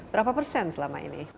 berapa persen selama ini